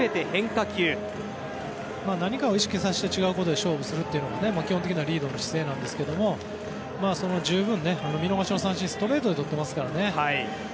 何かを意識させて違うことで勝負するというのが基本的なリードの姿勢なんですが見逃し三振をストレートでとっていますからね。